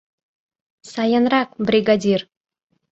— Сайынрак, бригадир!